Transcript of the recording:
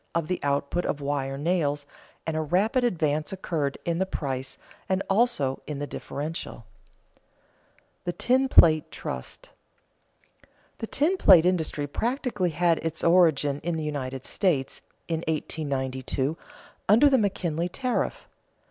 of the output of wire nails, and a rapid advance occurred in the price and also in the differential. [Sidenote: The tin plate trust] The tin plate industry practically had its origin in the United States, in 1892, under the McKinley tariff.